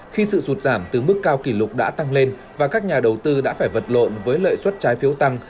khi sự sụt giảm từ mức cao kỷ lục đã tăng lên và các nhà đầu tư đã phải vật lộn với lợi suất trái phiếu tăng